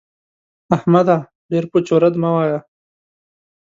احمده! ډېر پوچ و رد مه وايه.